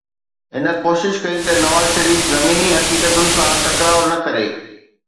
هن ڪوشش ڪئي ته نواز شريف زميني حقيقتن سان ٽڪراءُ نه ڪري.